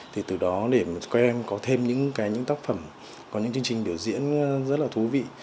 thì từ đó để các em có thêm những cái những tác phẩm có những chương trình biểu diễn rất là thú vị